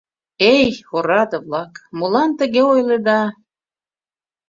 Эй, ораде-влак, молан тыге ойледа?